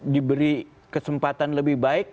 diberi kesempatan lebih baik